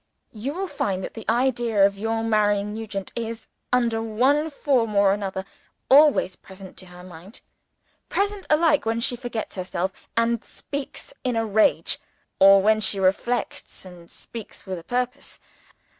You will find that the idea of your marrying Nugent is, under one form or another, always present to her mind. Present alike when she forgets herself, and speaks in a rage or when she reflects, and speaks with a purpose.